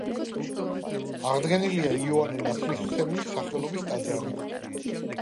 აღდგენილია იოანე ნათლისმცემელის სახელობის ტაძარი.